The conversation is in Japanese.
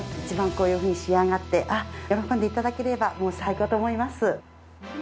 一番こういうふうに仕上がって喜んで頂ければもう最高と思います。